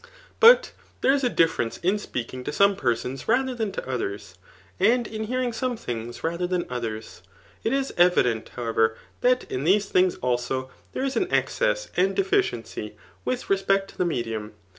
» But there is a difierence in speaking to some perscms rather than to others, and in hearing some things rather than others. It is evident, however, that in these things also there is an excess and deficiency with respect to the me dium.